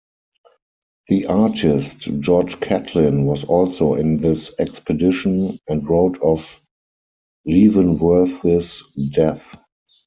The artist George Catlin was also in this expedition, and wrote of Leavenworth's death.